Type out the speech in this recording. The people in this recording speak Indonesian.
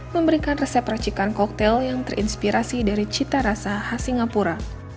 memberikan resep racikan koktel yang terinspirasi dari cita rasa khas singapura